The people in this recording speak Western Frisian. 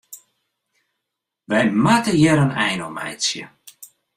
Wy moatte hjir in ein oan meitsje.